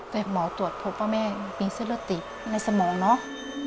แต่หมอตรวจพบว่าแม่มีเส้นเลือดติดในสมองเนาะ